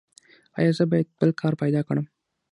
ایا زه باید بل کار پیدا کړم؟